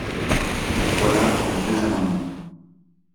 Voilà mes deux amendements.